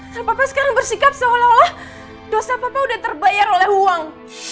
dan papa sekarang bersikap seolah olah dosa papa udah terbayar oleh uang